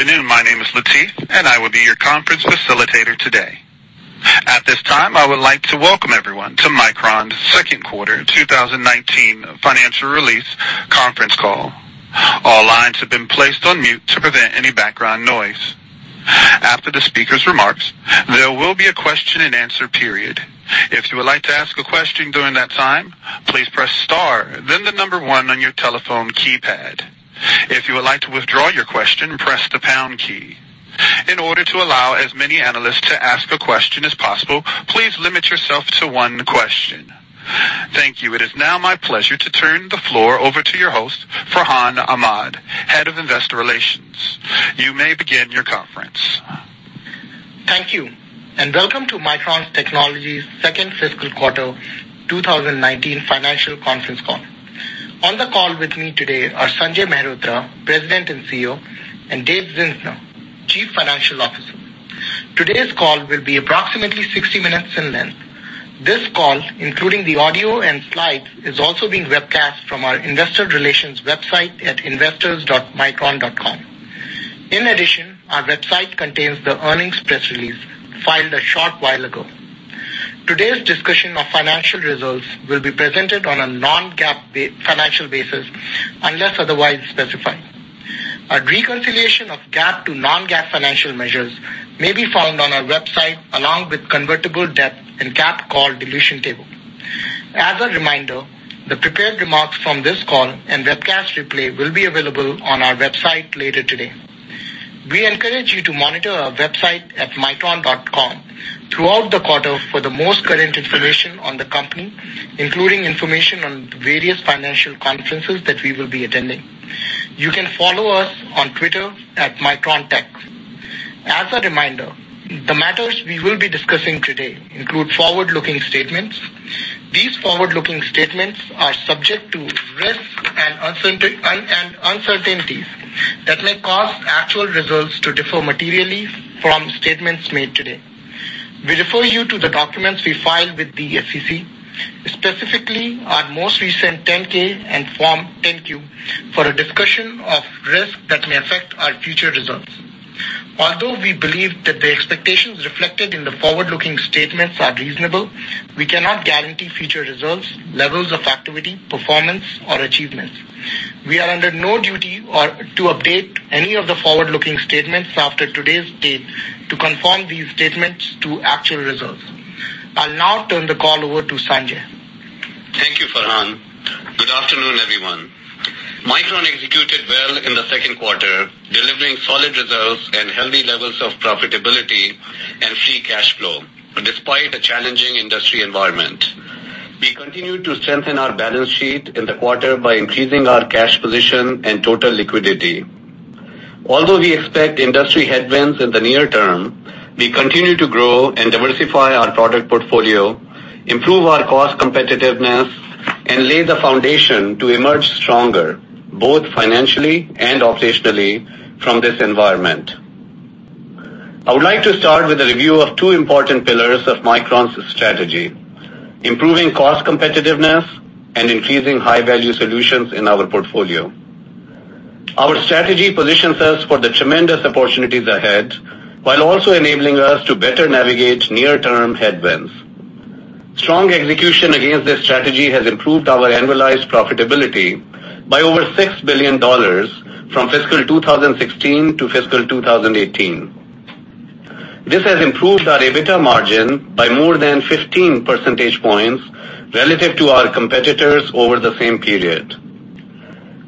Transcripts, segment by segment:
Good afternoon. My name is Latif, I will be your conference facilitator today. At this time, I would like to welcome everyone to Micron's second quarter 2019 financial release conference call. All lines have been placed on mute to prevent any background noise. After the speaker's remarks, there will be a question and answer period. If you would like to ask a question during that time, please press star 1 on your telephone keypad. If you would like to withdraw your question, press the pound key. In order to allow as many analysts to ask a question as possible, please limit yourself to one question. Thank you. It is now my pleasure to turn the floor over to your host, Farhan Ahmad, Head of Investor Relations. You may begin your conference. Thank you. Welcome to Micron Technology's second fiscal quarter 2019 financial conference call. On the call with me today are Sanjay Mehrotra, President and CEO, and Dave Zinsner, Chief Financial Officer. Today's call will be approximately 60 minutes in length. This call, including the audio and slides, is also being webcast from our investor relations website at investors.micron.com. Our website contains the earnings press release filed a short while ago. Today's discussion of financial results will be presented on a non-GAAP financial basis, unless otherwise specified. A reconciliation of GAAP to non-GAAP financial measures may be found on our website along with convertible debt and GAAP call dilution table. As a reminder, the prepared remarks from this call and webcast replay will be available on our website later today. We encourage you to monitor our website at micron.com throughout the quarter for the most current information on the company, including information on various financial conferences that we will be attending. You can follow us on Twitter at MicronTech. As a reminder, the matters we will be discussing today include forward-looking statements. These forward-looking statements are subject to risks and uncertainties that may cause actual results to differ materially from statements made today. We refer you to the documents we filed with the SEC, specifically our most recent 10-K and Form 10-Q, for a discussion of risks that may affect our future results. Although we believe that the expectations reflected in the forward-looking statements are reasonable, we cannot guarantee future results, levels of activity, performance, or achievements. We are under no duty to update any of the forward-looking statements after today's date to confirm these statements to actual results. I'll now turn the call over to Sanjay. Thank you, Farhan. Good afternoon, everyone. Micron executed well in the second quarter, delivering solid results and healthy levels of profitability and free cash flow, despite a challenging industry environment. We continued to strengthen our balance sheet in the quarter by increasing our cash position and total liquidity. Although we expect industry headwinds in the near term, we continue to grow and diversify our product portfolio, improve our cost competitiveness, and lay the foundation to emerge stronger, both financially and operationally, from this environment. I would like to start with a review of two important pillars of Micron's strategy, improving cost competitiveness and increasing high-value solutions in our portfolio. Our strategy positions us for the tremendous opportunities ahead, while also enabling us to better navigate near-term headwinds. Strong execution against this strategy has improved our annualized profitability by over $6 billion from fiscal 2016 to fiscal 2018. This has improved our EBITDA margin by more than 15 percentage points relative to our competitors over the same period.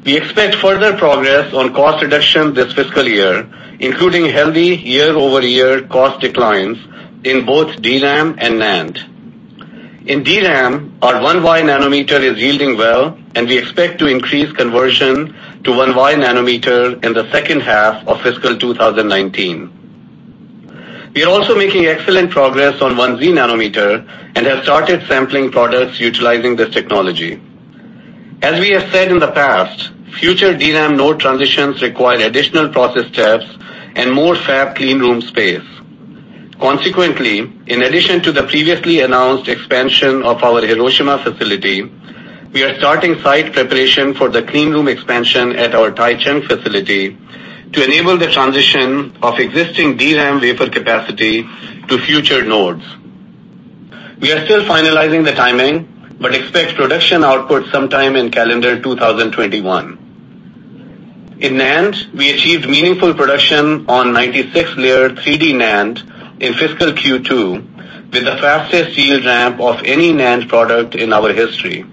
We expect further progress on cost reduction this fiscal year, including healthy year-over-year cost declines in both DRAM and NAND. In DRAM, our 1Y nanometer is yielding well, and we expect to increase conversion to 1Y nanometer in the second half of fiscal 2019. We are also making excellent progress on 1Z nanometer and have started sampling products utilizing this technology. As we have said in the past, future DRAM node transitions require additional process steps and more fab clean room space. Consequently, in addition to the previously announced expansion of our Hiroshima facility, we are starting site preparation for the clean room expansion at our Taichung facility to enable the transition of existing DRAM wafer capacity to future nodes. We are still finalizing the timing, but expect production output sometime in calendar 2021. In NAND, we achieved meaningful production on 96-layer 3D NAND in fiscal Q2 with the fastest yield ramp of any NAND product in our history.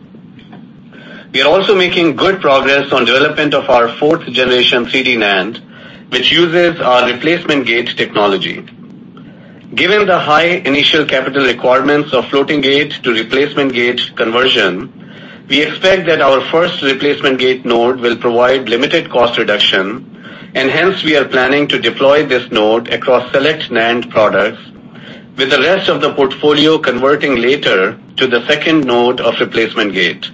We are also making good progress on development of our fourth generation 3D NAND, which uses our replacement gate technology. Given the high initial capital requirements of floating gate to replacement gate conversion, we expect that our first replacement gate node will provide limited cost reduction, and hence we are planning to deploy this node across select NAND products with the rest of the portfolio converting later to the second node of replacement gate.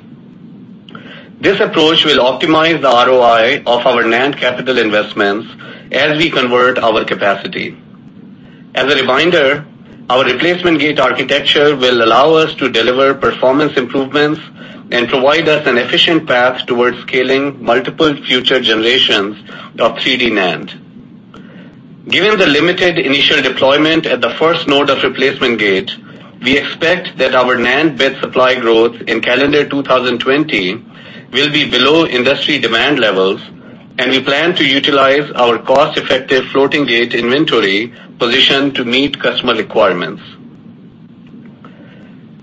This approach will optimize the ROI of our NAND capital investments as we convert our capacity. As a reminder, our replacement gate architecture will allow us to deliver performance improvements and provide us an efficient path towards scaling multiple future generations of 3D NAND. Given the limited initial deployment at the first node of replacement gate, we expect that our NAND bit supply growth in calendar 2020 will be below industry demand levels, and we plan to utilize our cost-effective floating gate inventory position to meet customer requirements.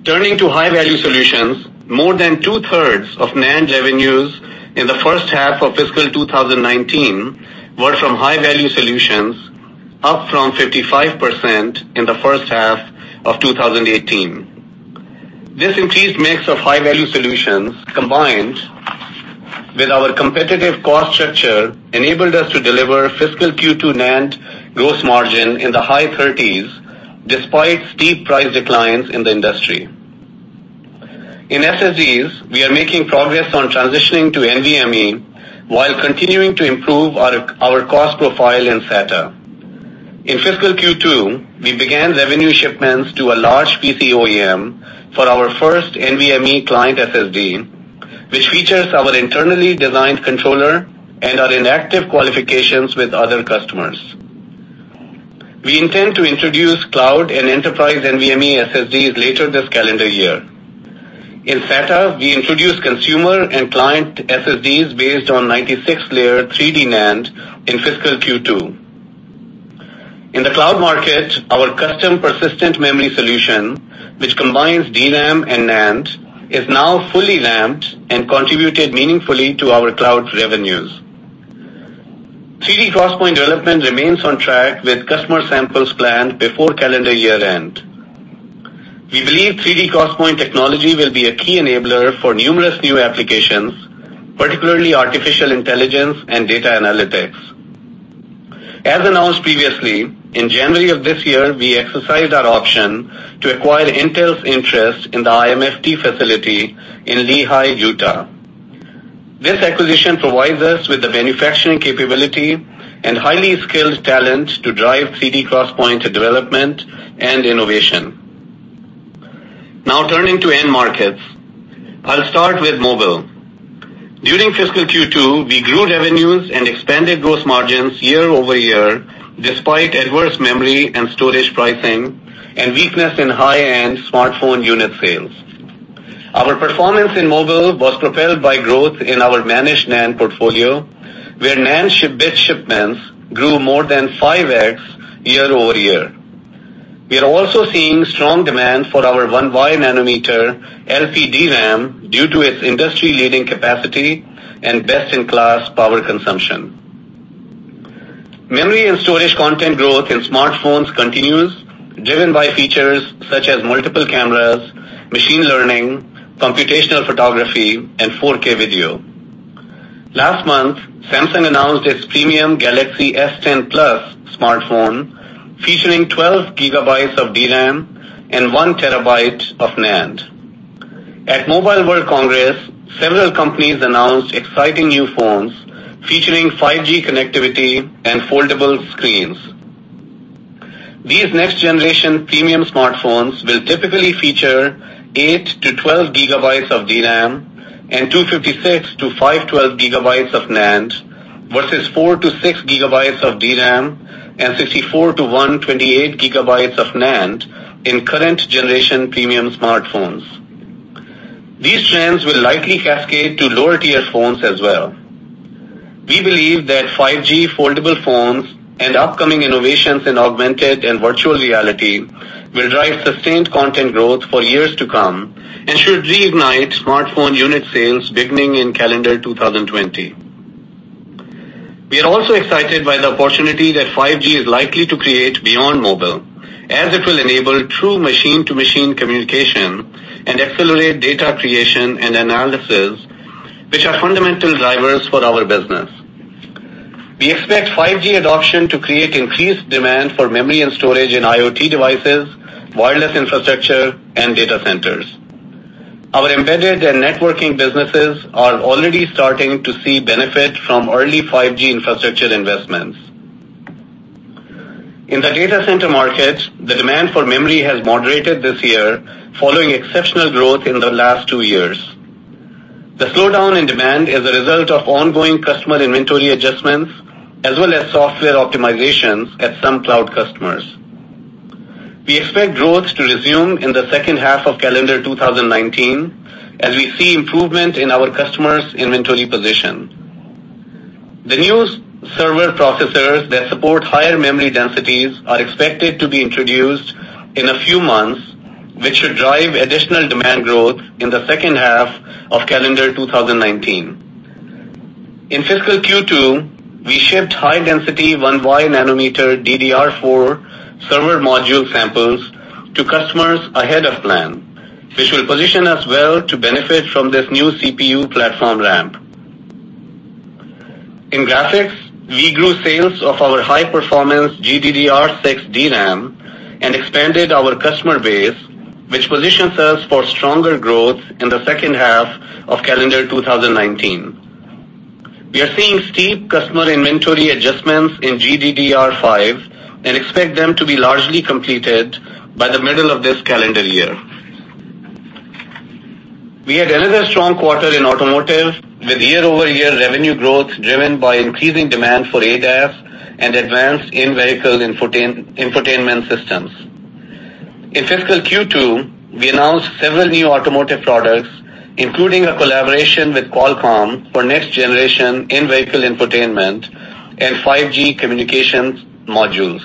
Turning to high-value solutions, more than two-thirds of NAND revenues in the first half of fiscal 2019 were from high-value solutions, up from 55% in the first half of 2018. This increased mix of high-value solutions, combined with our competitive cost structure, enabled us to deliver fiscal Q2 NAND gross margin in the high thirties, despite steep price declines in the industry. In SSDs, we are making progress on transitioning to NVMe while continuing to improve our cost profile in SATA. In fiscal Q2, we began revenue shipments to a large PC OEM for our first NVMe client SSD, which features our internally designed controller and our inactive qualifications with other customers. We intend to introduce cloud and enterprise NVMe SSDs later this calendar year. In SATA, we introduced consumer and client SSDs based on 96-layer 3D NAND in fiscal Q2. In the cloud market, our custom persistent memory solution, which combines DRAM and NAND, is now fully ramped and contributed meaningfully to our cloud revenues. 3D XPoint development remains on track with customer samples planned before calendar year-end. We believe 3D XPoint technology will be a key enabler for numerous new applications, particularly artificial intelligence and data analytics. As announced previously, in January of this year, we exercised our option to acquire Intel's interest in the IMFT facility in Lehi, Utah. This acquisition provides us with the manufacturing capability and highly skilled talent to drive 3D XPoint development and innovation. Now turning to end markets. I'll start with mobile. During fiscal Q2, we grew revenues and expanded gross margins year-over-year, despite adverse memory and storage pricing and weakness in high-end smartphone unit sales. Our performance in mobile was propelled by growth in our managed NAND portfolio, where NAND bit shipments grew more than 5x year-over-year. We are also seeing strong demand for our 1Y nanometer LP DRAM due to its industry-leading capacity and best-in-class power consumption. Memory and storage content growth in smartphones continues, driven by features such as multiple cameras, machine learning, computational photography, and 4K video. Last month, Samsung announced its premium Galaxy S10+ smartphone featuring 12 gigabytes of DRAM and one terabyte of NAND. At Mobile World Congress, several companies announced exciting new phones featuring 5G connectivity and foldable screens. These next-generation premium smartphones will typically feature 8 to 12 gigabytes of DRAM and 256 to 512 gigabytes of NAND, versus 4 to 6 gigabytes of DRAM and 64 to 128 gigabytes of NAND in current generation premium smartphones. These trends will likely cascade to lower tier phones as well. We believe that 5G foldable phones and upcoming innovations in augmented and virtual reality will drive sustained content growth for years to come and should reignite smartphone unit sales beginning in calendar 2020. We are also excited by the opportunity that 5G is likely to create beyond mobile, as it will enable true machine-to-machine communication and accelerate data creation and analysis, which are fundamental drivers for our business. We expect 5G adoption to create increased demand for memory and storage in IoT devices, wireless infrastructure, and data centers. Our embedded and networking businesses are already starting to see benefit from early 5G infrastructure investments. In the data center market, the demand for memory has moderated this year following exceptional growth in the last two years. The slowdown in demand is a result of ongoing customer inventory adjustments as well as software optimizations at some cloud customers. We expect growth to resume in the second half of calendar 2019 as we see improvement in our customers' inventory position. The new server processors that support higher memory densities are expected to be introduced in a few months, which should drive additional demand growth in the second half of calendar 2019. In fiscal Q2, we shipped high-density 1Y nanometer DDR4 server module samples to customers ahead of plan, which will position us well to benefit from this new CPU platform ramp. In graphics, we grew sales of our high-performance GDDR6 DRAM and expanded our customer base, which positions us for stronger growth in the second half of calendar 2019. We are seeing steep customer inventory adjustments in GDDR5 and expect them to be largely completed by the middle of this calendar year. We had another strong quarter in automotive with year-over-year revenue growth driven by increasing demand for ADAS and advanced in-vehicle infotainment systems. In fiscal Q2, we announced several new automotive products, including a collaboration with Qualcomm for next generation in-vehicle infotainment and 5G communications modules.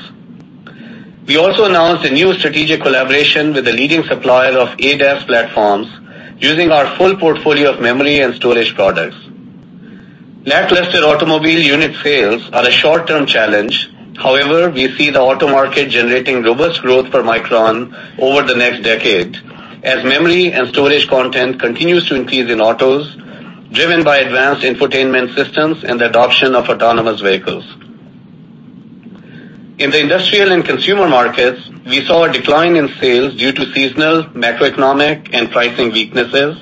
We also announced a new strategic collaboration with a leading supplier of ADAS platforms using our full portfolio of memory and storage products. Lackluster automobile unit sales are a short-term challenge. However, we see the auto market generating robust growth for Micron over the next decade as memory and storage content continues to increase in autos, driven by advanced infotainment systems and the adoption of autonomous vehicles. In the industrial and consumer markets, we saw a decline in sales due to seasonal, macroeconomic, and pricing weaknesses,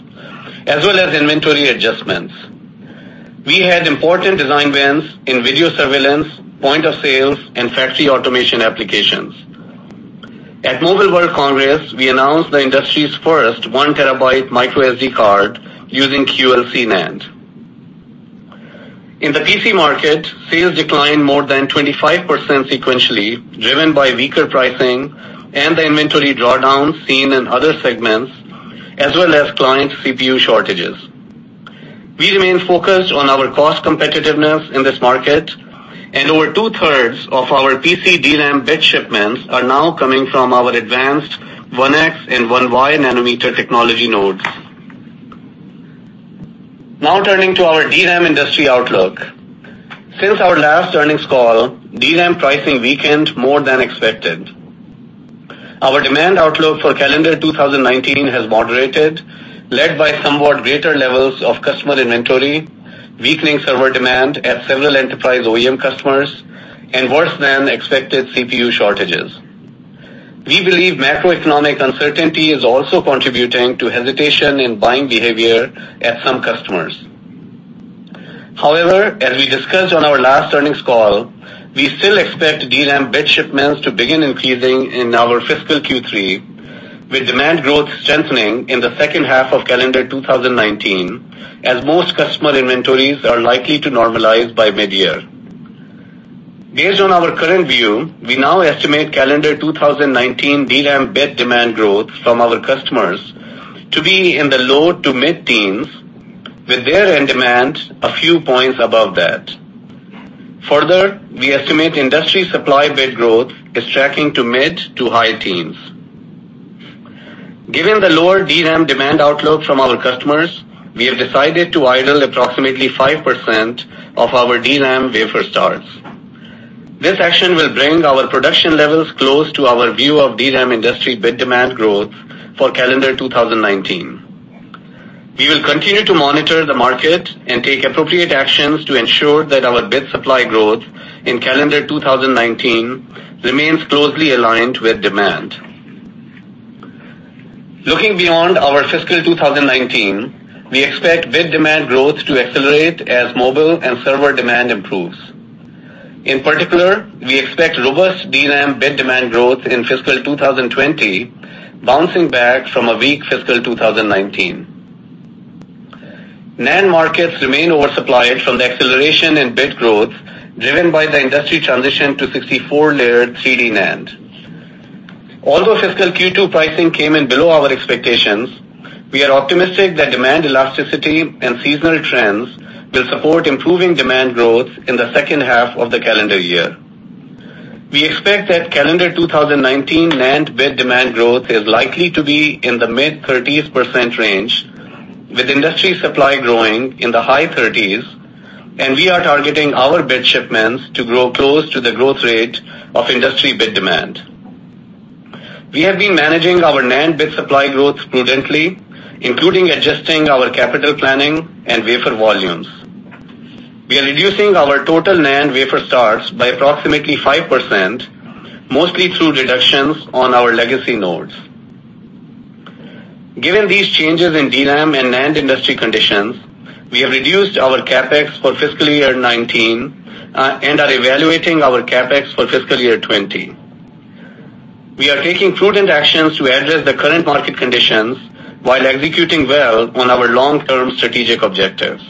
as well as inventory adjustments. We had important design wins in video surveillance, point of sales, and factory automation applications. At Mobile World Congress, we announced the industry's first 1TB microSD card using QLC NAND. In the PC market, sales declined more than 25% sequentially, driven by weaker pricing and the inventory drawdowns seen in other segments as well as client CPU shortages. We remain focused on our cost competitiveness in this market, and over two-thirds of our PC DRAM bit shipments are now coming from our advanced 1X and 1Y nanometer technology nodes. Turning to our DRAM industry outlook. Since our last earnings call, DRAM pricing weakened more than expected. Our demand outlook for calendar 2019 has moderated, led by somewhat greater levels of customer inventory, weakening server demand at several enterprise OEM customers, and worse-than-expected CPU shortages. We believe macroeconomic uncertainty is also contributing to hesitation in buying behavior at some customers. As we discussed on our last earnings call, we still expect DRAM bit shipments to begin increasing in our fiscal Q3, with demand growth strengthening in the second half of calendar 2019, as most customer inventories are likely to normalize by mid-year. Based on our current view, we now estimate calendar 2019 DRAM bit demand growth from our customers to be in the low to mid-teens, with their end demand a few points above that. Further, we estimate industry supply bit growth is tracking to mid to high teens. Given the lower DRAM demand outlook from our customers, we have decided to idle approximately 5% of our DRAM wafer starts. This action will bring our production levels close to our view of DRAM industry bit demand growth for calendar 2019. We will continue to monitor the market and take appropriate actions to ensure that our bit supply growth in calendar 2019 remains closely aligned with demand. Looking beyond our fiscal 2019, we expect bit demand growth to accelerate as mobile and server demand improves. In particular, we expect robust DRAM bit demand growth in fiscal 2020, bouncing back from a weak fiscal 2019. NAND markets remain oversupplied from the acceleration in bit growth driven by the industry transition to 64-layer 3D NAND. Although fiscal Q2 pricing came in below our expectations, we are optimistic that demand elasticity and seasonal trends will support improving demand growth in the second half of the calendar year. We expect that calendar 2019 NAND bit demand growth is likely to be in the mid-30% range, with industry supply growing in the high 30s, and we are targeting our bit shipments to grow close to the growth rate of industry bit demand. We have been managing our NAND bit supply growth prudently, including adjusting our capital planning and wafer volumes. We are reducing our total NAND wafer starts by approximately 5%, mostly through reductions on our legacy nodes. Given these changes in DRAM and NAND industry conditions, we have reduced our CapEx for fiscal year 2019 and are evaluating our CapEx for fiscal year 2020. We are taking prudent actions to address the current market conditions while executing well on our long-term strategic objectives.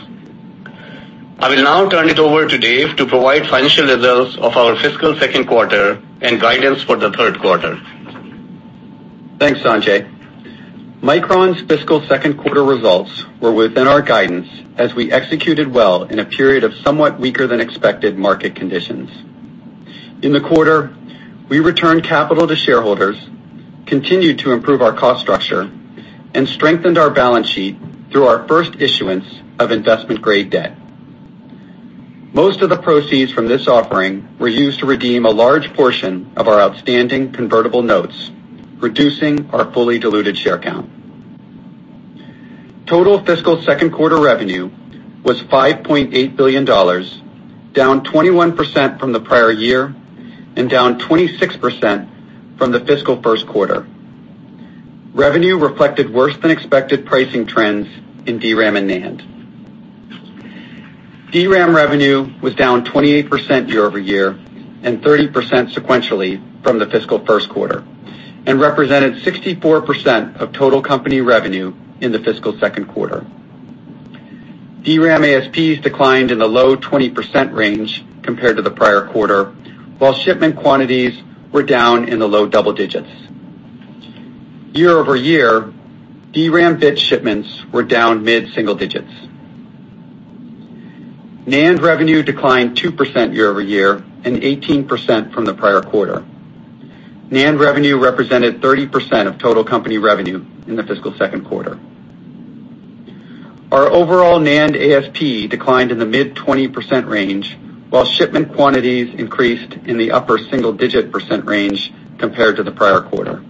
I will now turn it over to Dave to provide financial results of our fiscal second quarter and guidance for the third quarter. Thanks, Sanjay. Micron's fiscal second quarter results were within our guidance as we executed well in a period of somewhat weaker than expected market conditions. In the quarter, we returned capital to shareholders, continued to improve our cost structure, and strengthened our balance sheet through our first issuance of investment-grade debt. Most of the proceeds from this offering were used to redeem a large portion of our outstanding convertible notes, reducing our fully diluted share count. Total fiscal second quarter revenue was $5.8 billion, down 21% from the prior year and down 26% from the fiscal first quarter. Revenue reflected worse than expected pricing trends in DRAM and NAND. DRAM revenue was down 28% year-over-year and 30% sequentially from the fiscal first quarter, and represented 64% of total company revenue in the fiscal second quarter. DRAM ASPs declined in the low 20% range compared to the prior quarter, while shipment quantities were down in the low double digits. Year-over-year, DRAM bit shipments were down mid single digits. NAND revenue declined 2% year-over-year and 18% from the prior quarter. NAND revenue represented 30% of total company revenue in the fiscal second quarter. Our overall NAND ASP declined in the mid 20% range while shipment quantities increased in the upper single-digit % range compared to the prior quarter.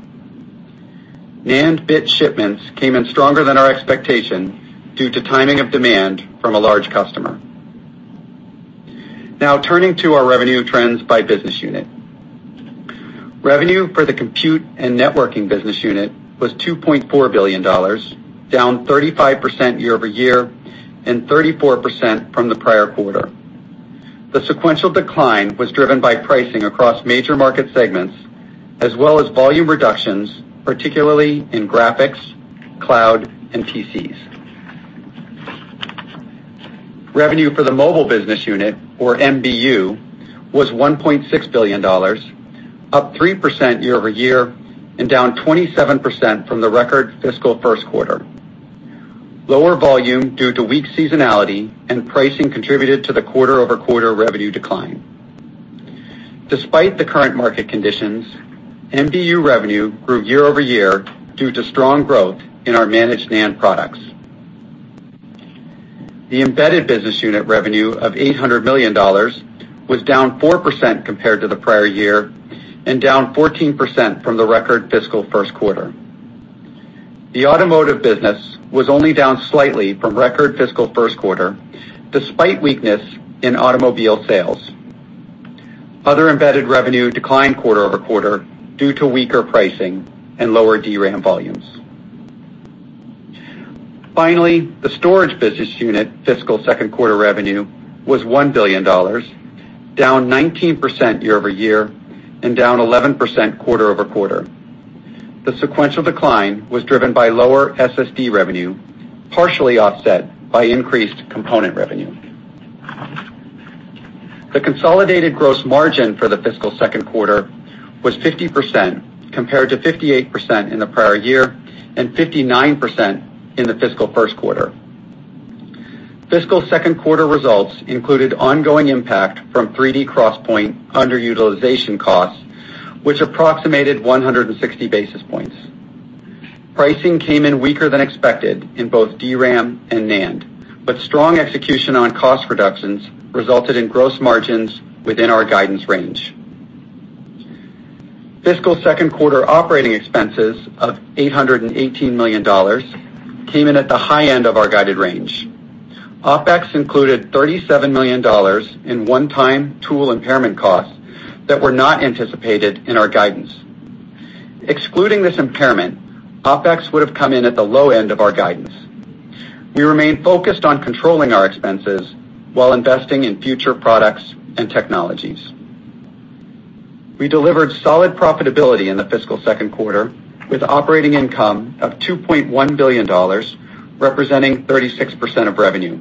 NAND bit shipments came in stronger than our expectation due to timing of demand from a large customer. Now turning to our revenue trends by business unit. Revenue for the compute and networking business unit was $2.4 billion, down 35% year-over-year and 34% from the prior quarter. The sequential decline was driven by pricing across major market segments as well as volume reductions, particularly in graphics, cloud, and PCs. Revenue for the mobile business unit, or MBU, was $1.6 billion, up 3% year-over-year and down 27% from the record fiscal first quarter. Lower volume due to weak seasonality and pricing contributed to the quarter-over-quarter revenue decline. Despite the current market conditions, MBU revenue grew year-over-year due to strong growth in our managed NAND products. The embedded business unit revenue of $800 million was down 4% compared to the prior year and down 14% from the record fiscal first quarter. The automotive business was only down slightly from record fiscal first quarter, despite weakness in automobile sales. Other embedded revenue declined quarter-over-quarter due to weaker pricing and lower DRAM volumes. The storage business unit fiscal second quarter revenue was $1 billion, down 19% year-over-year and down 11% quarter-over-quarter. The sequential decline was driven by lower SSD revenue, partially offset by increased component revenue. The consolidated gross margin for the fiscal second quarter was 50%, compared to 58% in the prior year and 59% in the fiscal first quarter. Fiscal second quarter results included ongoing impact from 3D XPoint underutilization costs, which approximated 160 basis points. Pricing came in weaker than expected in both DRAM and NAND, but strong execution on cost reductions resulted in gross margins within our guidance range. Fiscal second quarter operating expenses of $818 million came in at the high end of our guided range. OpEx included $37 million in one-time tool impairment costs that were not anticipated in our guidance. Excluding this impairment, OpEx would have come in at the low end of our guidance. We remain focused on controlling our expenses while investing in future products and technologies. We delivered solid profitability in the fiscal second quarter with operating income of $2.1 billion, representing 36% of revenue.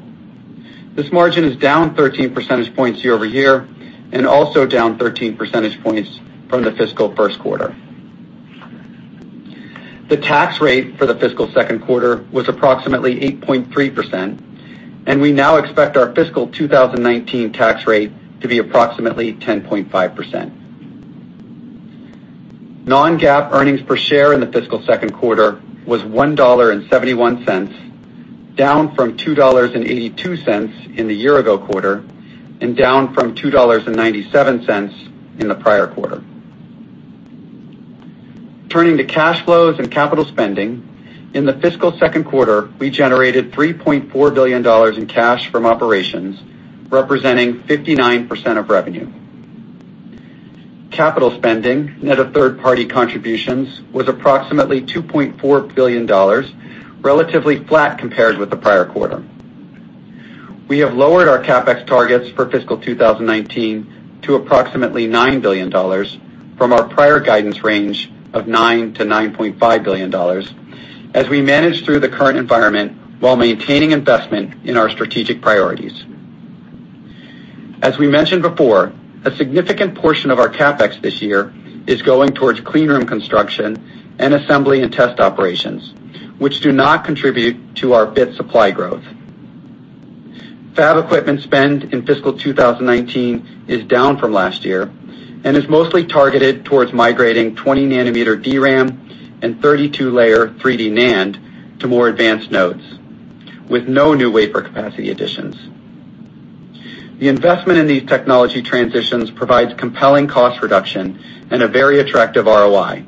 This margin is down 13 percentage points year-over-year and also down 13 percentage points from the fiscal first quarter. The tax rate for the fiscal second quarter was approximately 8.3%, and we now expect our fiscal 2019 tax rate to be approximately 10.5%. Non-GAAP earnings per share in the fiscal second quarter was $1.71, down from $2.82 in the year ago quarter, and down from $2.97 in the prior quarter. Turning to cash flows and capital spending, in the fiscal second quarter, we generated $3.4 billion in cash from operations, representing 59% of revenue. Capital spending net of third-party contributions was approximately $2.4 billion, relatively flat compared with the prior quarter. We have lowered our CapEx targets for fiscal 2019 to approximately $9 billion from our prior guidance range of $9 billion-$9.5 billion as we manage through the current environment while maintaining investment in our strategic priorities. As we mentioned before, a significant portion of our CapEx this year is going towards clean room construction and assembly and test operations, which do not contribute to our bit supply growth. Fab equipment spend in fiscal 2019 is down from last year and is mostly targeted towards migrating 20 nanometer DRAM and 32-layer 3D NAND to more advanced nodes with no new wafer capacity additions. The investment in these technology transitions provides compelling cost reduction and a very attractive ROI.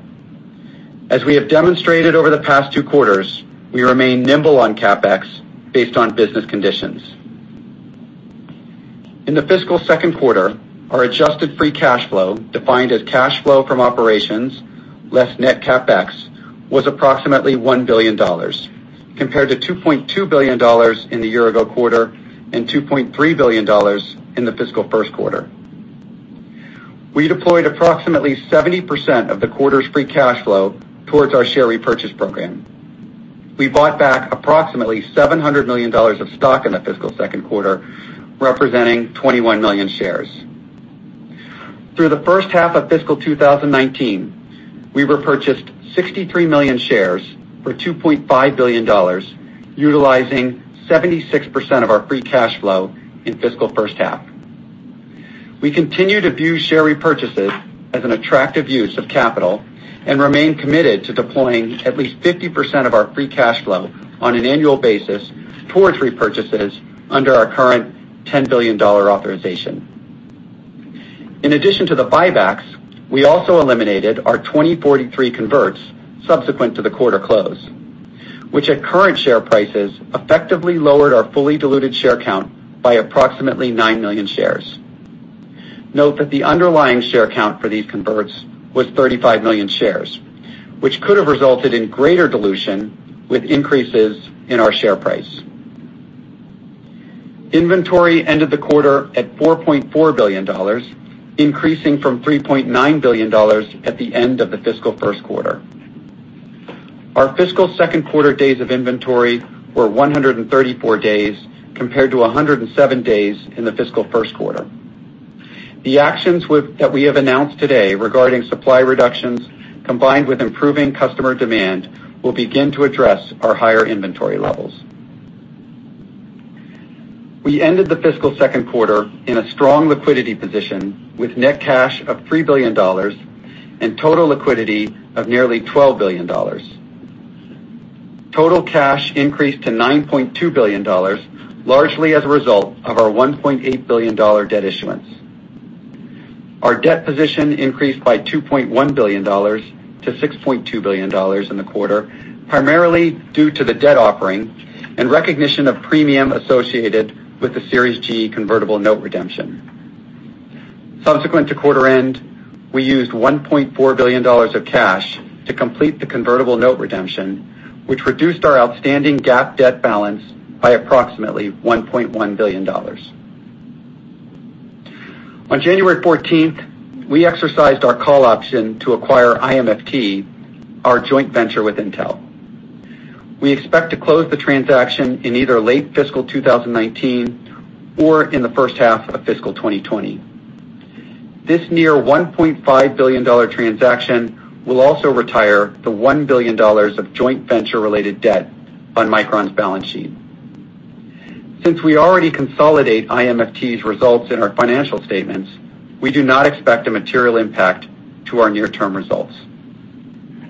As we have demonstrated over the past two quarters, we remain nimble on CapEx based on business conditions. In the fiscal second quarter, our adjusted free cash flow, defined as cash flow from operations less net CapEx, was approximately $1 billion, compared to $2.2 billion in the year ago quarter and $2.3 billion in the fiscal first quarter. We deployed approximately 70% of the quarter's free cash flow towards our share repurchase program. We bought back approximately $700 million of stock in the fiscal second quarter, representing 21 million shares. Through the first half of fiscal 2019, we repurchased 63 million shares for $2.5 billion, utilizing 76% of our free cash flow in fiscal first half. We continue to view share repurchases as an attractive use of capital and remain committed to deploying at least 50% of our free cash flow on an annual basis towards repurchases under our current $10 billion authorization. In addition to the buybacks, we also eliminated our 2043 converts subsequent to the quarter close, which at current share prices effectively lowered our fully diluted share count by approximately 9 million shares. Note that the underlying share count for these converts was 35 million shares, which could have resulted in greater dilution with increases in our share price. Inventory ended the quarter at $4.4 billion, increasing from $3.9 billion at the end of the fiscal first quarter. Our fiscal second quarter days of inventory were 134 days compared to 107 days in the fiscal first quarter. The actions that we have announced today regarding supply reductions, combined with improving customer demand, will begin to address our higher inventory levels. We ended the fiscal second quarter in a strong liquidity position with net cash of $3 billion and total liquidity of nearly $12 billion. Total cash increased to $9.2 billion, largely as a result of our $1.8 billion debt issuance. Our debt position increased by $2.1 billion to $6.2 billion in the quarter, primarily due to the debt offering and recognition of premium associated with the Series G convertible note redemption. Subsequent to quarter end, we used $1.4 billion of cash to complete the convertible note redemption, which reduced our outstanding GAAP debt balance by approximately $1.1 billion. On January 14th, we exercised our call option to acquire IMFT, our joint venture with Intel. We expect to close the transaction in either late fiscal 2019 or in the first half of fiscal 2020. This near $1.5 billion transaction will also retire the $1 billion of joint venture-related debt on Micron's balance sheet. Since we already consolidate IMFT's results in our financial statements, we do not expect a material impact to our near-term results.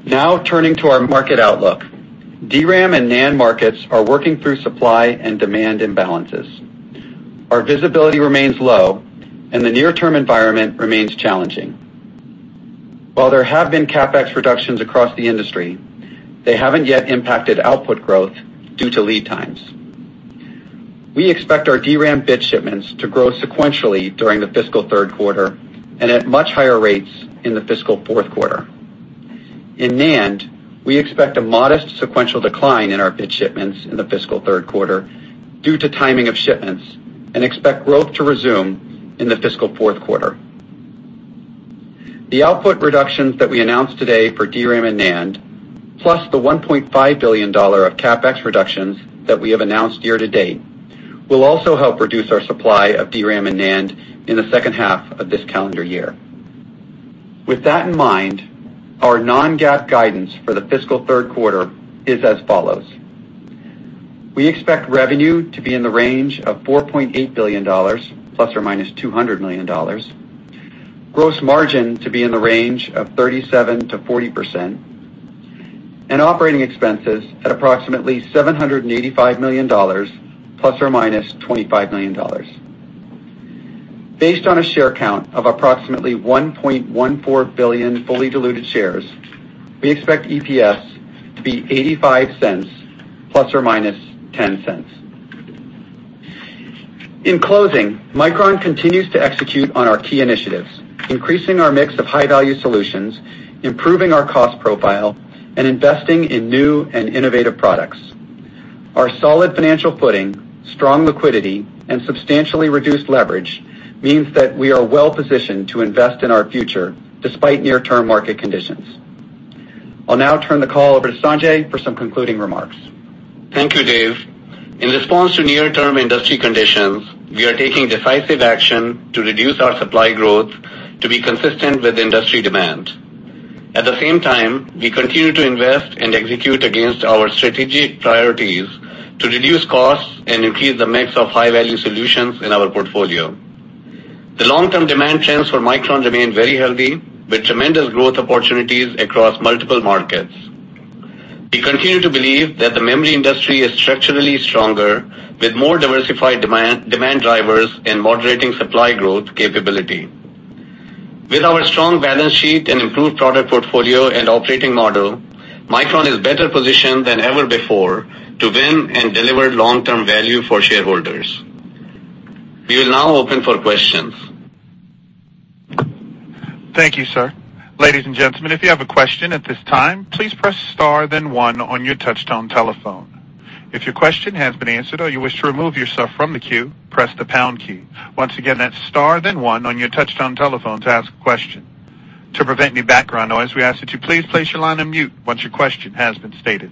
Now turning to our market outlook. DRAM and NAND markets are working through supply and demand imbalances. Our visibility remains low and the near-term environment remains challenging. While there have been CapEx reductions across the industry, they haven't yet impacted output growth due to lead times. We expect our DRAM bit shipments to grow sequentially during the fiscal third quarter and at much higher rates in the fiscal fourth quarter. In NAND, we expect a modest sequential decline in our bit shipments in the fiscal third quarter due to timing of shipments, and expect growth to resume in the fiscal fourth quarter. The output reductions that we announced today for DRAM and NAND, plus the $1.5 billion of CapEx reductions that we have announced year-to-date, will also help reduce our supply of DRAM and NAND in the second half of this calendar year. With that in mind, our non-GAAP guidance for the fiscal third quarter is as follows. We expect revenue to be in the range of $4.8 billion ±$200 million, gross margin to be in the range of 37%-40%, and operating expenses at approximately $785 million ±$25 million. Based on a share count of approximately 1.14 billion fully diluted shares, we expect EPS to be $0.85 ±$0.10. In closing, Micron continues to execute on our key initiatives, increasing our mix of high-value solutions, improving our cost profile, and investing in new and innovative products. Our solid financial footing, strong liquidity, and substantially reduced leverage means that we are well positioned to invest in our future despite near-term market conditions. I'll now turn the call over to Sanjay for some concluding remarks. Thank you, Dave. In response to near-term industry conditions, we are taking decisive action to reduce our supply growth to be consistent with industry demand. At the same time, we continue to invest and execute against our strategic priorities to reduce costs and increase the mix of high-value solutions in our portfolio. The long-term demand trends for Micron remain very healthy, with tremendous growth opportunities across multiple markets. We continue to believe that the memory industry is structurally stronger with more diversified demand drivers and moderating supply growth capability. With our strong balance sheet and improved product portfolio and operating model, Micron is better positioned than ever before to win and deliver long-term value for shareholders. We will now open for questions. Thank you, sir. Ladies and gentlemen, if you have a question at this time, please press star then one on your touchtone telephone. If your question has been answered or you wish to remove yourself from the queue, press the pound key. Once again, that's star then one on your touchtone telephone to ask a question. To prevent any background noise, we ask that you please place your line on mute once your question has been stated.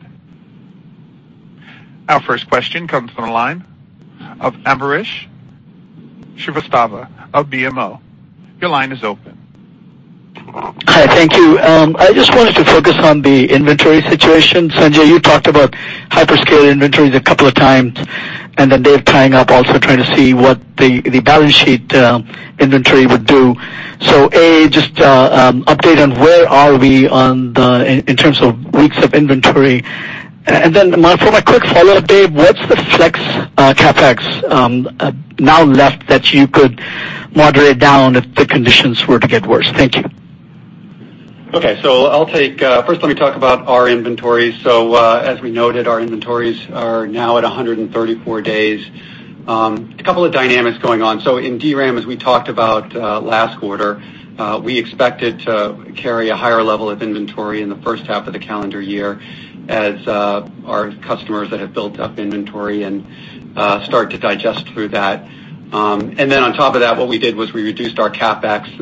Our first question comes from the line of Ambrish Srivastava of BMO. Your line is open. Hi, thank you. I just wanted to focus on the inventory situation. Sanjay, you talked about hyperscale inventories a couple of times, Dave tying up also trying to see what the balance sheet inventory would do. A, just update on where are we in terms of weeks of inventory. Then for my quick follow-up, Dave, what's the flex CapEx now left that you could moderate down if the conditions were to get worse? Thank you. Okay. First let me talk about our inventory. As we noted, our inventories are now at 134 days. A couple of dynamics going on. In DRAM, as we talked about last quarter, we expected to carry a higher level of inventory in the first half of the calendar year as our customers that have built up inventory and start to digest through that. On top of that, what we did was we reduced our CapEx,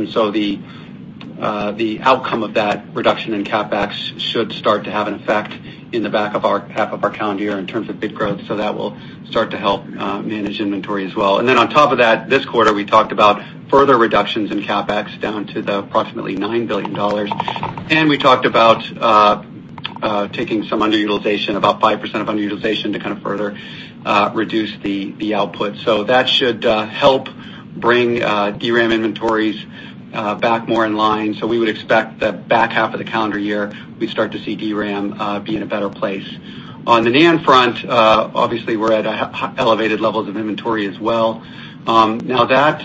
the outcome of that reduction in CapEx should start to have an effect in the back half of our calendar year in terms of bit growth. That will start to help manage inventory as well. On top of that, this quarter, we talked about further reductions in CapEx down to approximately $9 billion. We talked about taking some underutilization, about 5% of underutilization to kind of further reduce the output. That should help bring DRAM inventories back more in line. We would expect the back half of the calendar year, we start to see DRAM be in a better place. On the NAND front, obviously we're at elevated levels of inventory as well. Now, that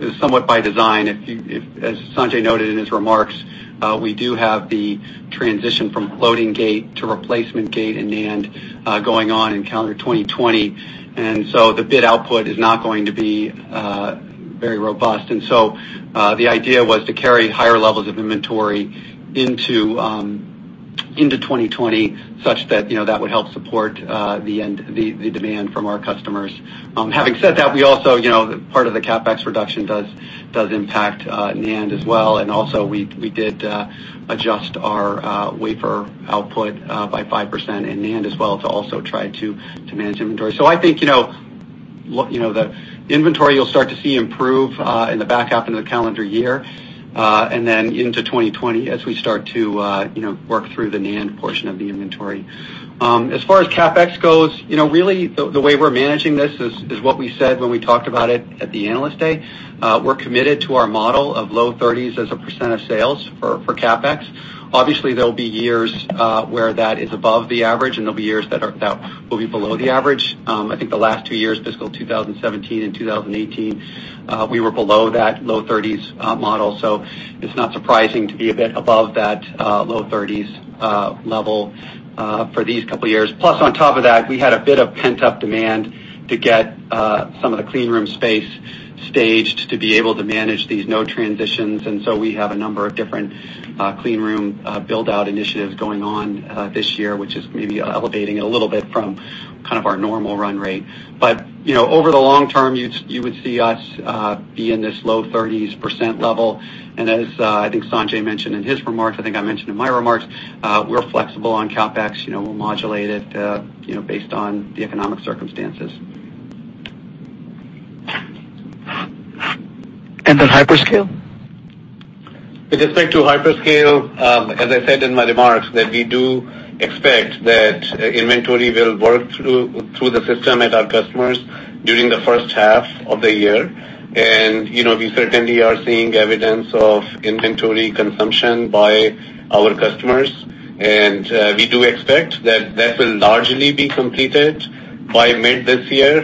is somewhat by design. As Sanjay noted in his remarks, we do have the transition from floating gate to replacement gate in NAND going on in calendar 2020. The bit output is not going to be very robust. The idea was to carry higher levels of inventory into 2020, such that would help support the demand from our customers. Having said that, part of the CapEx reduction does impact NAND as well. Also we did adjust our wafer output by 5% in NAND as well to also try to manage inventory. I think the inventory you'll start to see improve in the back half of the calendar year, then into 2020 as we start to work through the NAND portion of the inventory. As far as CapEx goes, really the way we're managing this is what we said when we talked about it at the Analyst Day. We're committed to our model of low thirties as a % of sales for CapEx. Obviously, there'll be years where that is above the average, and there'll be years that will be below the average. I think the last two years, fiscal 2017 and 2018, we were below that low thirties model. It's not surprising to be a bit above that low thirties level for these couple of years. On top of that, we had a bit of pent-up demand to get some of the clean room space staged to be able to manage these node transitions. We have a number of different clean room build-out initiatives going on this year, which is maybe elevating it a little bit from kind of our normal run rate. Over the long term, you would see us be in this low 30% level, and as I think Sanjay mentioned in his remarks, I think I mentioned in my remarks, we're flexible on CapEx. We'll modulate it based on the economic circumstances. Hyperscale? With respect to hyperscale, as I said in my remarks, that we do expect that inventory will work through the system at our customers during the first half of the year. We certainly are seeing evidence of inventory consumption by our customers, and we do expect that will largely be completed by mid this year.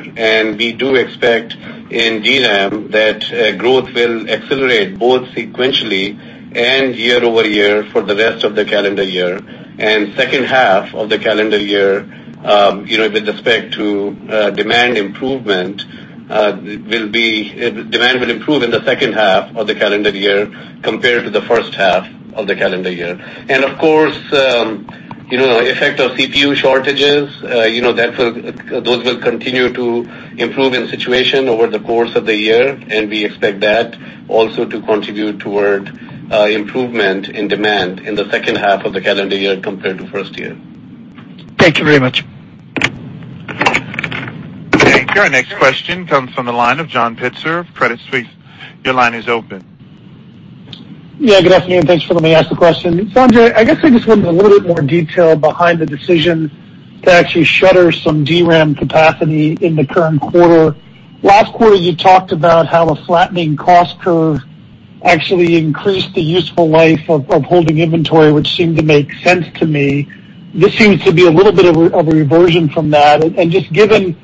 We do expect in DRAM that growth will accelerate both sequentially and year-over-year for the rest of the calendar year. Second half of the calendar year, with respect to demand improvement, demand will improve in the second half of the calendar year compared to the first half of the calendar year. Of course, effect of CPU shortages, those will continue to improve in situation over the course of the year, and we expect that also to contribute toward improvement in demand in the second half of the calendar year compared to first year. Thank you very much. Thank you. Our next question comes from the line of John Pitzer of Credit Suisse. Your line is open. Yeah, good afternoon. Thanks for letting me ask the question. Sanjay, I guess I just wanted a little bit more detail behind the decision to actually shutter some DRAM capacity in the current quarter. Last quarter, you talked about how the flattening cost curve actually increased the useful life of holding inventory, which seemed to make sense to me. This seems to be a little bit of a reversion from that. Just given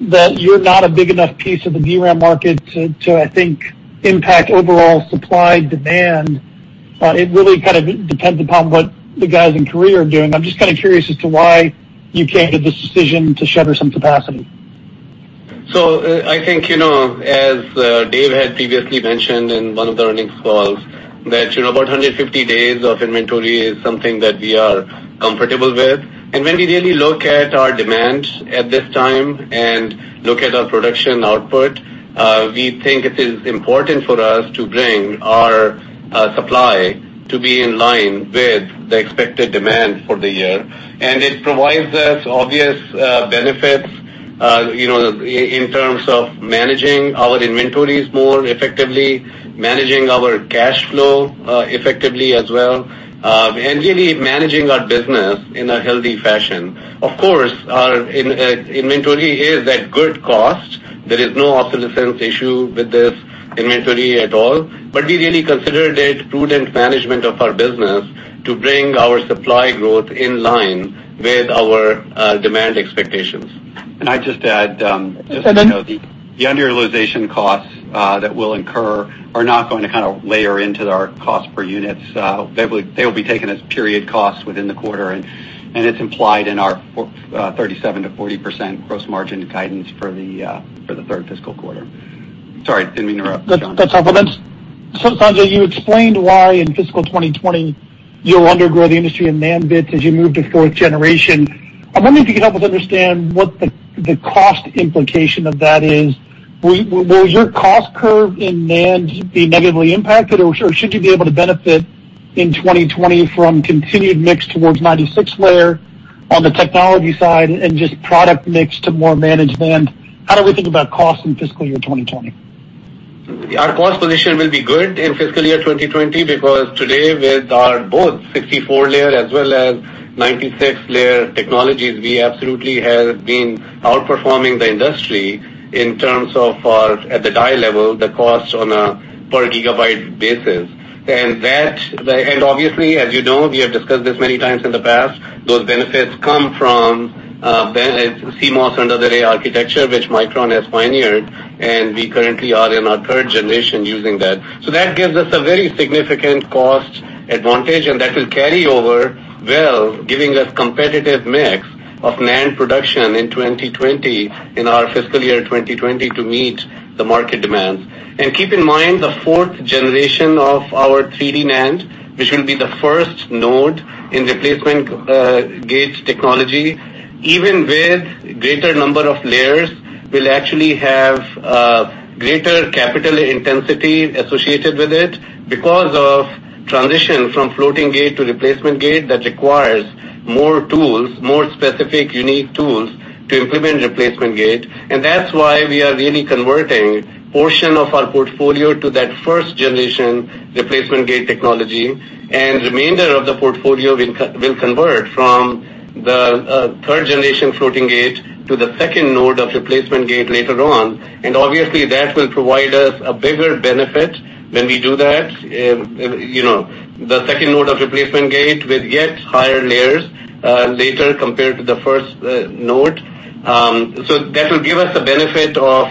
that you're not a big enough piece of the DRAM market to, I think, impact overall supply-demand. It really kind of depends upon what the guys in Korea are doing. I'm just kind of curious as to why you came to this decision to shutter some capacity. I think, as Dave had previously mentioned in one of the earnings calls, that about 150 days of inventory is something that we are comfortable with. When we really look at our demand at this time and look at our production output, we think it is important for us to bring our supply to be in line with the expected demand for the year. It provides us obvious benefits, in terms of managing our inventories more effectively, managing our cash flow effectively as well, and really managing our business in a healthy fashion. Of course, our inventory is at good cost. There is no issue with this inventory at all. We really considered it prudent management of our business to bring our supply growth in line with our demand expectations. Can I just add. Yes. Just the underutilization costs that we'll incur are not going to layer into our cost per units. They will be taken as period costs within the quarter, and it's implied in our 37%-40% gross margin guidance for the third fiscal quarter. Sorry, didn't mean to interrupt, John. That's all right. Sanjay, you explained why in fiscal 2020, you'll undergrow the industry in NAND bits as you move to fourth generation. I wonder if you could help us understand what the cost implication of that is. Will your cost curve in NAND be negatively impacted, or should you be able to benefit in 2020 from continued mix towards 96-layer on the technology side and just product mix to more managed NAND? How do we think about cost in fiscal year 2020? Our cost position will be good in fiscal year 2020 because today with our both 64-layer as well as 96-layer technologies, we absolutely have been outperforming the industry in terms of our, at the die level, the cost on a per gigabyte basis. Obviously, as you know, we have discussed this many times in the past, those benefits come from CMOS under the array architecture, which Micron has pioneered, and we currently are in our third generation using that. That gives us a very significant cost advantage, and that will carry over well, giving us competitive mix of NAND production in 2020, in our fiscal year 2020 to meet the market demands. Keep in mind, the fourth generation of our 3D NAND, which will be the first node in replacement gate technology, even with greater number of layers, will actually have greater capital intensity associated with it because of transition from floating gate to replacement gate that requires more specific, unique tools to implement replacement gate. That is why we are really converting portion of our portfolio to that first generation replacement gate technology, and remainder of the portfolio will convert from the third generation floating gate to the second node of replacement gate later on. Obviously, that will provide us a bigger benefit when we do that. The second node of replacement gate with yet higher layers later compared to the first node. That will give us a benefit of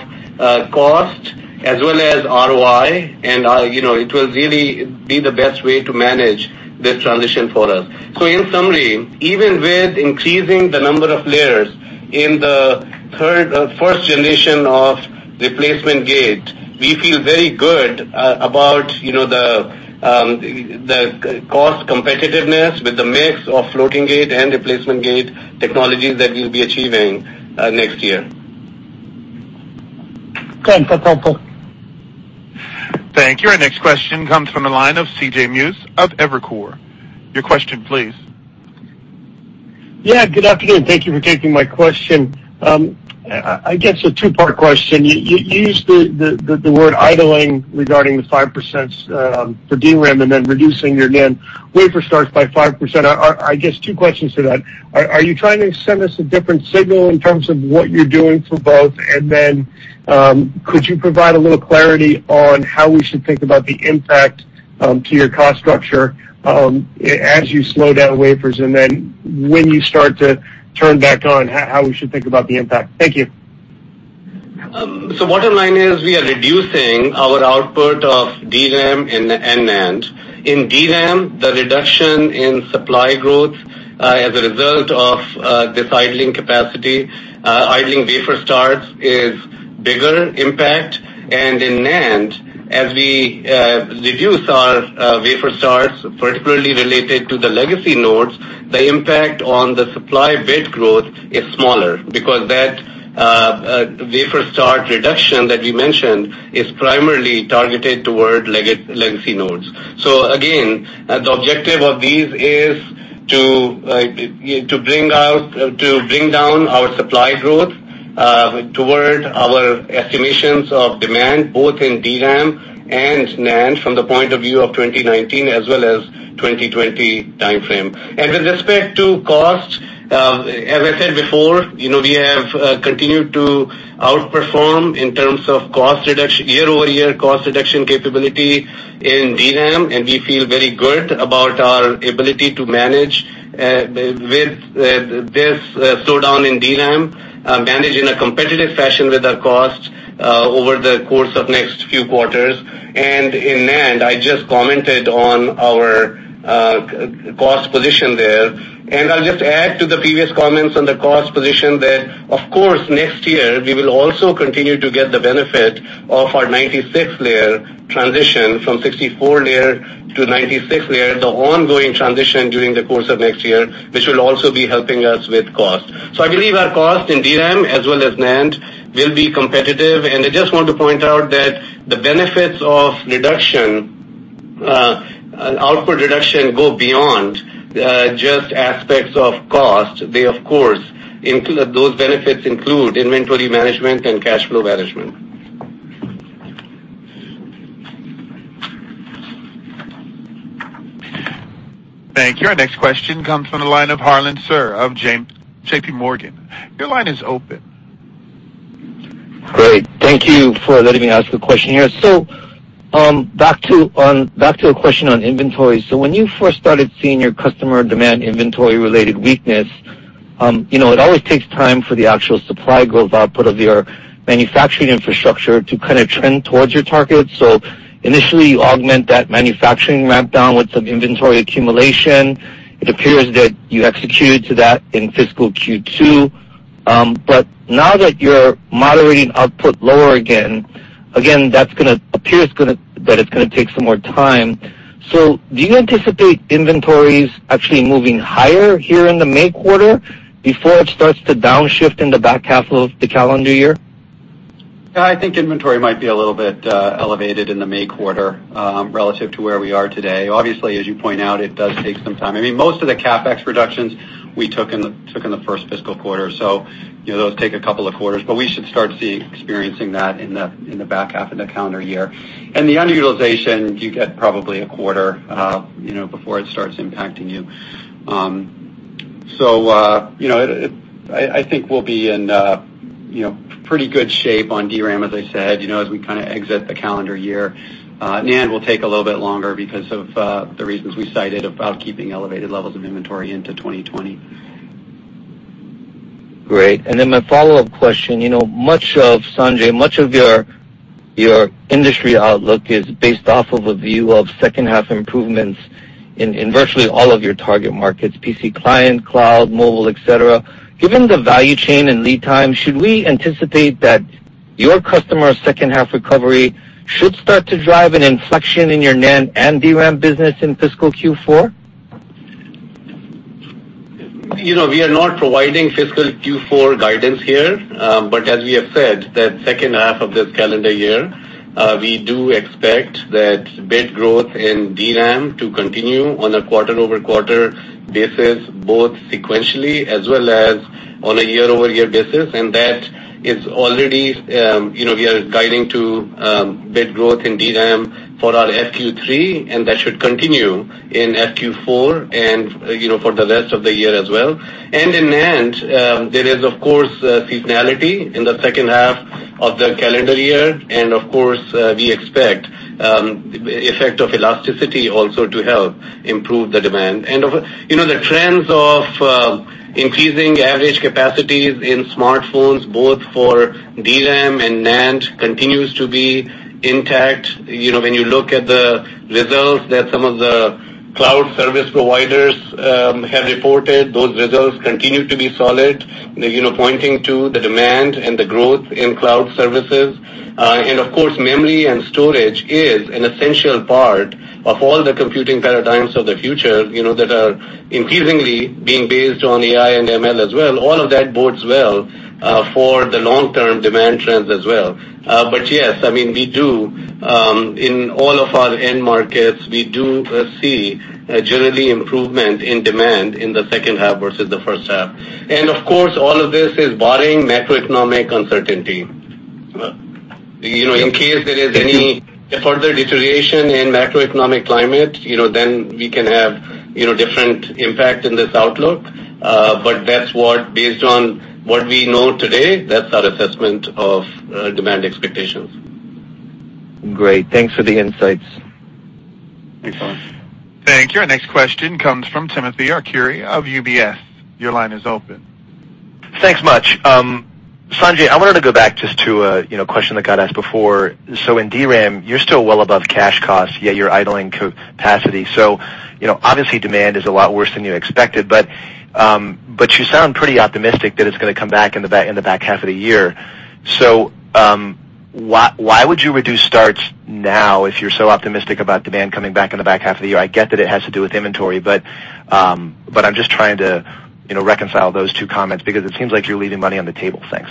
cost as well as ROI, and it will really be the best way to manage this transition for us. In summary, even with increasing the number of layers in the first generation of replacement gate, we feel very good about the cost competitiveness with the mix of floating gate and replacement gate technologies that we will be achieving next year. Thank you. Thank you. Our next question comes from the line of C.J. Muse of Evercore. Your question please. Yeah, good afternoon. Thank you for taking my question. I guess a two-part question. You used the word idling regarding the 5% for DRAM and then reducing your NAND wafer starts by 5%. I guess two questions to that. Are you trying to send us a different signal in terms of what you're doing for both? Could you provide a little clarity on how we should think about the impact to your cost structure as you slow down wafers, and then when you start to turn back on, how we should think about the impact? Thank you. Bottom line is we are reducing our output of DRAM and NAND. In DRAM, the reduction in supply growth as a result of this idling capacity, idling wafer starts is bigger impact. In NAND, as we reduce our wafer starts, particularly related to the legacy nodes, the impact on the supply bit growth is smaller because that wafer start reduction that we mentioned is primarily targeted toward legacy nodes. Again, the objective of these is to bring down our supply growth toward our estimations of demand, both in DRAM and NAND, from the point of view of 2019 as well as 2020 timeframe. With respect to cost, as I said before, we have continued to outperform in terms of year-over-year cost reduction capability in DRAM, and we feel very good about our ability to manage with this slowdown in DRAM, manage in a competitive fashion with our costs over the course of next few quarters. In NAND, I just commented on our cost position there. I'll just add to the previous comments on the cost position that, of course, next year, we will also continue to get the benefit of our 96-layer transition from 64-layer to 96-layer, the ongoing transition during the course of next year, which will also be helping us with cost. I believe our cost in DRAM as well as NAND will be competitive, and I just want to point out that the benefits of output reduction go beyond just aspects of cost. Those benefits include inventory management and cash flow management. Thank you. Our next question comes from the line of Harlan Sur of J.P. Morgan. Your line is open. Great. Thank you for letting me ask a question here. Back to a question on inventory. When you first started seeing your customer demand inventory-related weakness, it always takes time for the actual supply growth output of your manufacturing infrastructure to kind of trend towards your target. Initially, you augment that manufacturing ramp down with some inventory accumulation. It appears that you executed to that in fiscal Q2. Now that you're moderating output lower again, that appears that it's going to take some more time. Do you anticipate inventories actually moving higher here in the May quarter before it starts to downshift in the back half of the calendar year? I think inventory might be a little bit elevated in the May quarter relative to where we are today. Obviously, as you point out, it does take some time. Most of the CapEx reductions we took in the first fiscal quarter, so those take a couple of quarters, but we should start experiencing that in the back half of the calendar year. The underutilization, you get probably a quarter before it starts impacting you. I think we'll be in pretty good shape on DRAM, as I said, as we kind of exit the calendar year. NAND will take a little bit longer because of the reasons we cited about keeping elevated levels of inventory into 2020. Great. My follow-up question. Sanjay, much of your industry outlook is based off of a view of second half improvements in virtually all of your target markets, PC client, cloud, mobile, et cetera. Given the value chain and lead time, should we anticipate that your customer second half recovery should start to drive an inflection in your NAND and DRAM business in fiscal Q4? We are not providing fiscal Q4 guidance here. As we have said, that second half of this calendar year, we do expect that bit growth in DRAM to continue on a quarter-over-quarter basis, both sequentially as well as on a year-over-year basis, that is already, we are guiding to bit growth in DRAM for our FQ3, and that should continue in FQ4 and for the rest of the year as well. In NAND, there is, of course, seasonality in the second half of the calendar year. Of course, we expect effect of elasticity also to help improve the demand. The trends of increasing average capacities in smartphones, both for DRAM and NAND, continues to be intact. When you look at the results that some of the cloud service providers have reported, those results continue to be solid, pointing to the demand and the growth in cloud services. Of course, memory and storage is an essential part of all the computing paradigms of the future, that are increasingly being based on AI and ML as well. All of that bodes well for the long-term demand trends as well. Yes, in all of our end markets, we do see generally improvement in demand in the second half versus the first half. Of course, all of this is barring macroeconomic uncertainty. In case there is any further deterioration in macroeconomic climate, then we can have different impact in this outlook. Based on what we know today, that's our assessment of demand expectations. Great. Thanks for the insights. Thanks, Harlan. Thank you. Our next question comes from Timothy Arcuri of UBS. Your line is open. Thanks much. Sanjay, I wanted to go back just to a question that got asked before. In DRAM, you're still well above cash costs, yet you're idling capacity. Obviously, demand is a lot worse than you expected, but you sound pretty optimistic that it's going to come back in the back half of the year. Why would you reduce starts now if you're so optimistic about demand coming back in the back half of the year? I get that it has to do with inventory, but I'm just trying to reconcile those two comments because it seems like you're leaving money on the table. Thanks.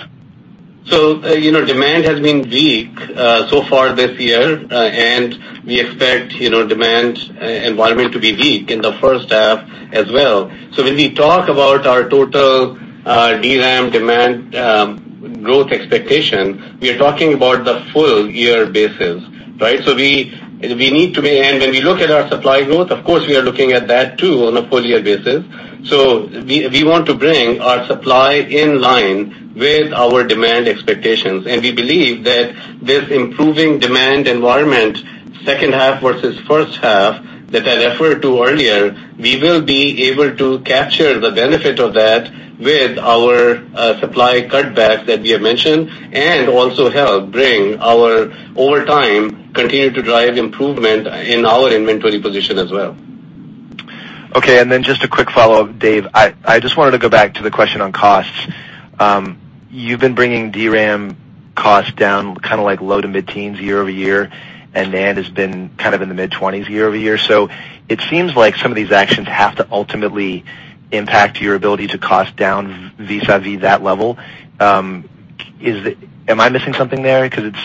Demand has been weak so far this year, and we expect demand environment to be weak in the first half as well. When we talk about our total DRAM demand growth expectation, we are talking about the full year basis, right? When we look at our supply growth, of course, we are looking at that too on a full year basis. We want to bring our supply in line with our demand expectations, and we believe that this improving demand environment, second half versus first half, that I referred to earlier, we will be able to capture the benefit of that with our supply cutback that we have mentioned, and also help continue to drive improvement in our inventory position as well. Okay, just a quick follow-up, Dave. I just wanted to go back to the question on costs. You've been bringing DRAM cost down low to mid-teens year-over-year, and NAND has been in the mid-20s year-over-year. It seems like some of these actions have to ultimately impact your ability to cost down vis-a-vis that level. Am I missing something there? Because it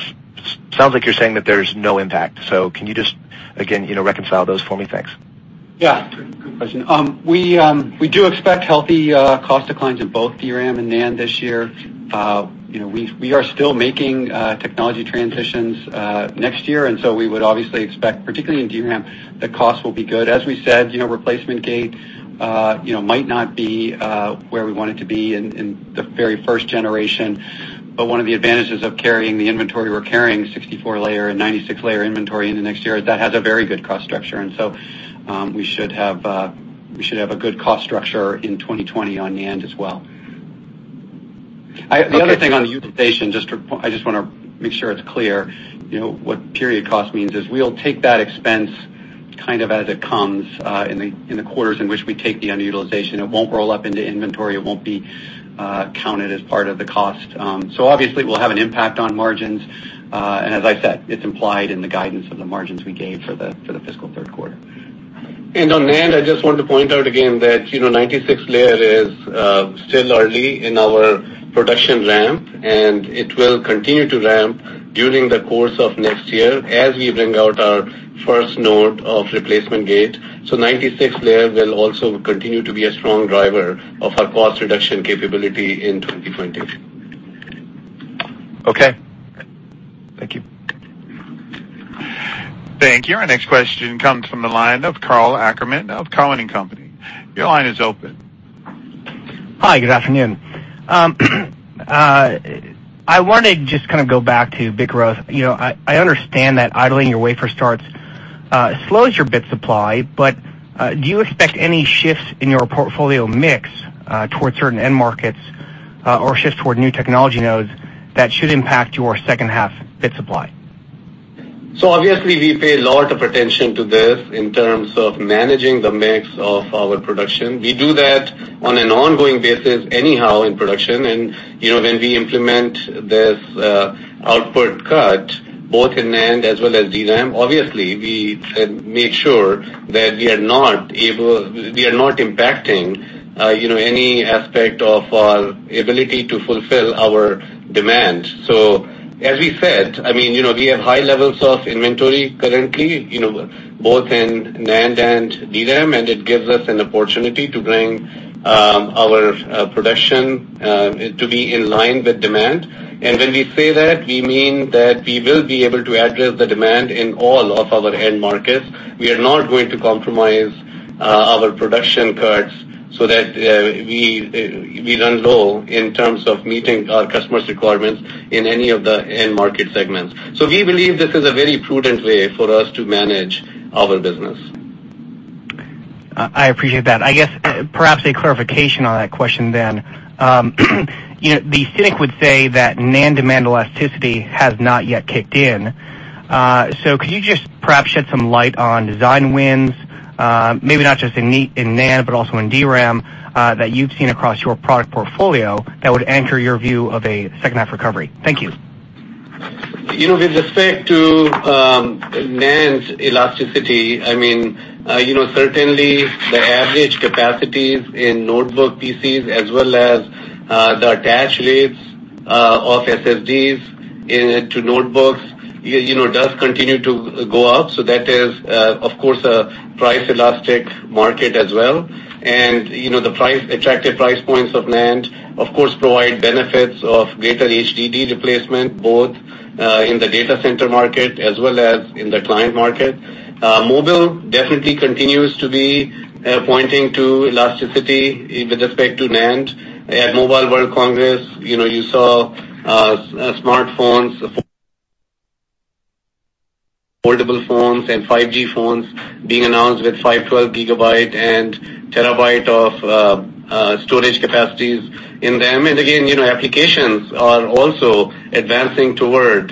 sounds like you're saying that there's no impact. Can you just, again, reconcile those for me? Thanks. Yeah. Good question. We do expect healthy cost declines in both DRAM and NAND this year. We are still making technology transitions next year, we would obviously expect, particularly in DRAM, that costs will be good. As we said, replacement gate might not be where we want it to be in the very first generation. One of the advantages of carrying the inventory, we're carrying 64-layer and 96-layer inventory in the next year, that has a very good cost structure. We should have a good cost structure in 2020 on NAND as well. The other thing on utilization, I just want to make sure it's clear. What period cost means is we'll take that expense as it comes in the quarters in which we take the underutilization. It won't roll up into inventory, it won't be counted as part of the cost. Obviously, it will have an impact on margins. As I said, it's implied in the guidance of the margins we gave for the fiscal third quarter. On NAND, I just want to point out again that 96-layer is still early in our production ramp, it will continue to ramp during the course of next year as we bring out our first node of replacement gate. 96-layer will also continue to be a strong driver of our cost reduction capability in 2020. Okay. Thank you. Thank you. Our next question comes from the line of Karl Ackerman of Cowen and Company. Your line is open. Hi, good afternoon. I want to just go back to bit growth. I understand that idling your wafer starts slows your bit supply, do you expect any shifts in your portfolio mix towards certain end markets or shifts toward new technology nodes that should impact your second half bit supply? Obviously we pay a lot of attention to this in terms of managing the mix of our production. We do that on an ongoing basis anyhow in production. When we implement this output cut, both in NAND as well as DRAM, obviously, we make sure that we are not impacting any aspect of our ability to fulfill our demand. As we said, we have high levels of inventory currently, both in NAND and DRAM, and it gives us an opportunity to bring our production to be in line with demand. When we say that, we mean that we will be able to address the demand in all of our end markets. We are not going to compromise our production cuts so that we run low in terms of meeting our customers' requirements in any of the end market segments. We believe this is a very prudent way for us to manage our business. I appreciate that. I guess, perhaps a clarification on that question then. The cynic would say that NAND demand elasticity has not yet kicked in. Could you just perhaps shed some light on design wins, maybe not just in NAND, but also in DRAM, that you've seen across your product portfolio that would anchor your view of a second half recovery? Thank you. With respect to NAND's elasticity, certainly the average capacities in notebook PCs as well as the attach rates of SSDs into notebooks, it does continue to go up. That is, of course, a price elastic market as well. The attractive price points of NAND, of course, provide benefits of greater HDD replacement, both in the data center market as well as in the client market. Mobile definitely continues to be pointing to elasticity with respect to NAND. At Mobile World Congress, you saw smartphones, foldable phones, and 5G phones being announced with 512 gigabyte and terabyte of storage capacities in them. Again, applications are also advancing toward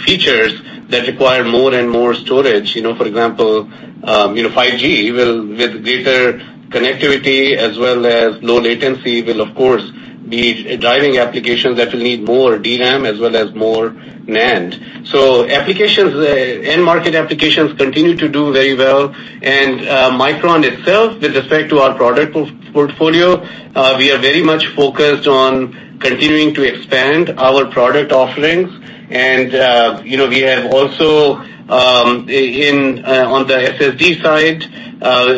features that require more and more storage. For example, 5G with greater connectivity as well as low latency will, of course, be driving applications that will need more DRAM as well as more NAND. End market applications continue to do very well. Micron itself, with respect to our product portfolio, we are very much focused on continuing to expand our product offerings. We have also, on the SSD side,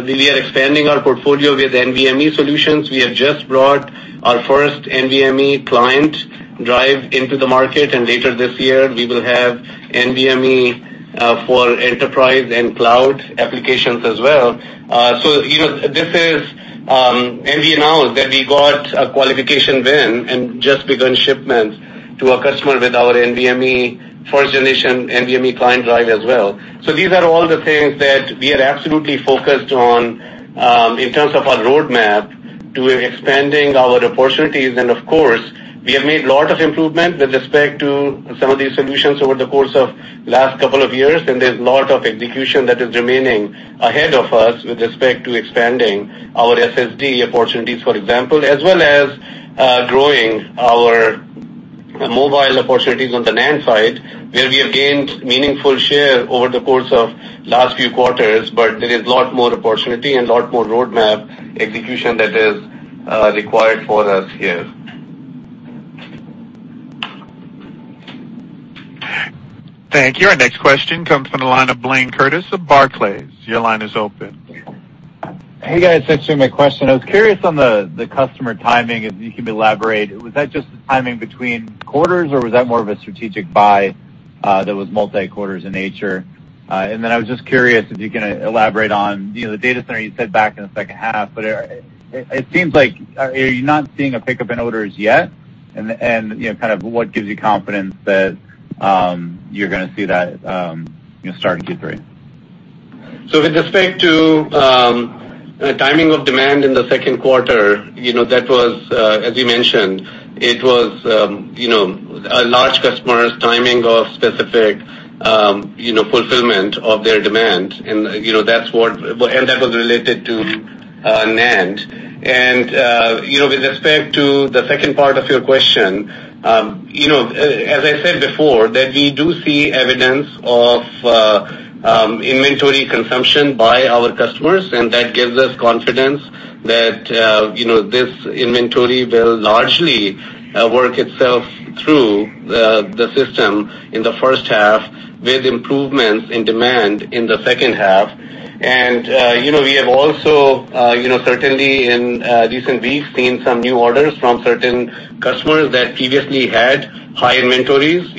we are expanding our portfolio with NVMe solutions. We have just brought our first NVMe client drive into the market, and later this year, we will have NVMe for enterprise and cloud applications as well. This is NVMe announced that we got a qualification win and just begun shipment to a customer with our first-generation NVMe client drive as well. These are all the things that we are absolutely focused on in terms of our roadmap to expanding our opportunities. Of course, we have made a lot of improvement with respect to some of these solutions over the course of last couple of years, and there's lot of execution that is remaining ahead of us with respect to expanding our SSD opportunities, for example, as well as growing our mobile opportunities on the NAND side, where we have gained meaningful share over the course of last few quarters. There is lot more opportunity and lot more roadmap execution that is required for us here. Thank you. Our next question comes from the line of Blayne Curtis of Barclays. Your line is open. Hey, guys. Thanks for taking my question. I was curious on the customer timing, if you can elaborate, was that just the timing between quarters, or was that more of a strategic buy that was multi quarters in nature? I was just curious if you can elaborate on the data center you said back in the second half, but it seems like are you not seeing a pickup in orders yet? What gives you confidence that you're going to see that start in Q3? With respect to timing of demand in the second quarter, that was, as you mentioned, it was a large customer's timing of specific fulfillment of their demand, and that was related to NAND. With respect to the second part of your question, as I said before, that we do see evidence of inventory consumption by our customers, and that gives us confidence that this inventory will largely work itself through the system in the first half with improvements in demand in the second half. We have also certainly in recent weeks seen some new orders from certain customers that previously had high inventories.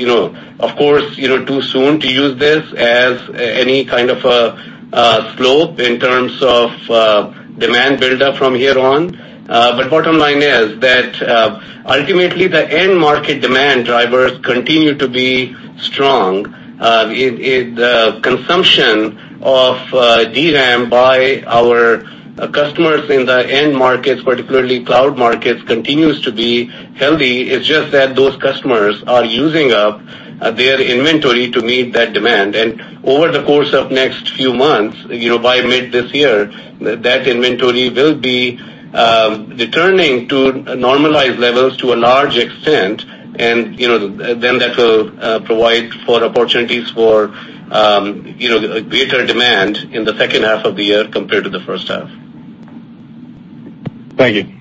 Of course, too soon to use this as any kind of a slope in terms of demand buildup from here on. Bottom line is that ultimately the end market demand drivers continue to be strong. The consumption of DRAM by our customers in the end markets, particularly cloud markets, continues to be healthy. It's just that those customers are using up their inventory to meet that demand. Over the course of next few months, by mid this year, that inventory will be returning to normalized levels to a large extent, and then that will provide for opportunities for greater demand in the second half of the year compared to the first half. Thank you.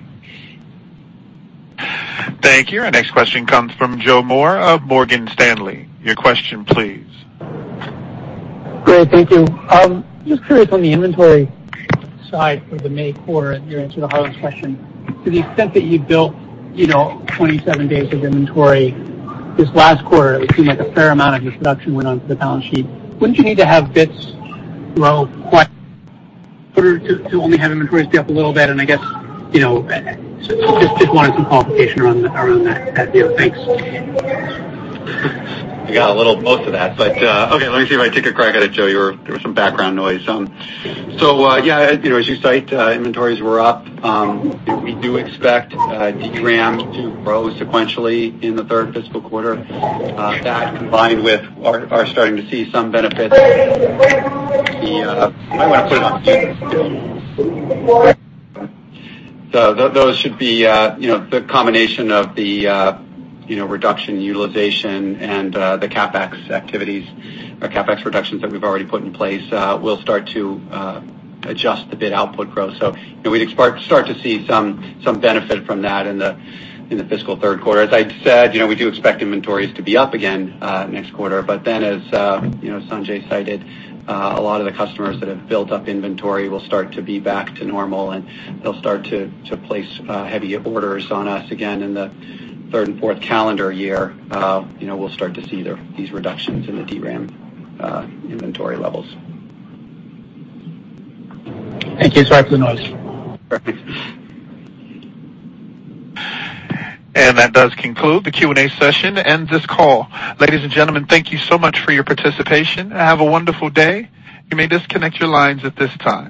Thank you. Our next question comes from Joe Moore of Morgan Stanley. Your question, please. Great. Thank you. Just curious on the inventory side for the May quarter, your answer to the Harlan question. To the extent that you built 27 days of inventory this last quarter, it seemed like a fair amount of your production went onto the balance sheet. Wouldn't you need to have bits grow quite in order to only have inventories be up a little bit? I guess, just wanted some qualification around that, Joe. Thanks. We got a little both of that, okay, let me see if I take a crack at it, Joe. There was some background noise. Yeah, as you cite, inventories were up. We do expect DRAM to grow sequentially in the third fiscal quarter. That, combined with are starting to see some benefits. Those should be the combination of the reduction utilization and the CapEx reductions that we've already put in place will start to adjust the bit output growth. We'd start to see some benefit from that in the fiscal third quarter. As I said, we do expect inventories to be up again next quarter. As Sanjay cited, a lot of the customers that have built up inventory will start to be back to normal, and they'll start to place heavy orders on us again in the third and fourth calendar year. We'll start to see these reductions in the DRAM inventory levels. Thank you. Sorry for the noise. No worries. That does conclude the Q&A session and this call. Ladies and gentlemen, thank you so much for your participation, and have a wonderful day. You may disconnect your lines at this time.